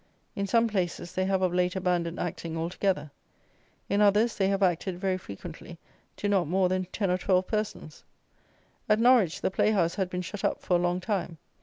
In some places they have of late abandoned acting altogether. In others they have acted, very frequently, to not more than ten or twelve persons. At Norwich the playhouse had been shut up for a long time.